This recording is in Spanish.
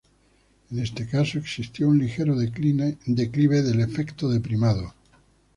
En este caso, existió un ligero declive del efecto de primado.